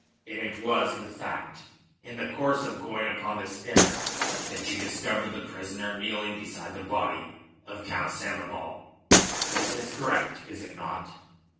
And it was in fact in the course of going upon this errand that you discovered the prisoner kneeling beside the body of Count Samoval. This is correct, is it not?"